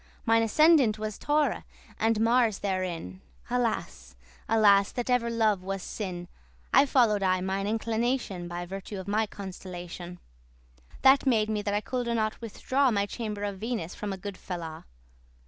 ] <25> Mine ascendant was Taure,* and Mars therein: *Taurus Alas, alas, that ever love was sin! I follow'd aye mine inclination By virtue of my constellation: That made me that I coulde not withdraw My chamber of Venus from a good fellaw.